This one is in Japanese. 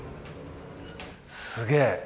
すげえ。